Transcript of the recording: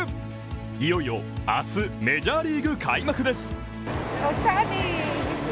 いよいよ明日、メジャーリーグ開幕です。